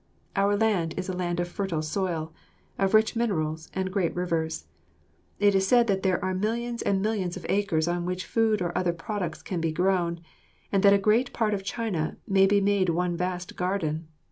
Our land is a land of fertile soil, of rich minerals, and great rivers. It is said that there are millions and millions of acres on which food or other products can be grown, and that a great part of China may be made one vast garden.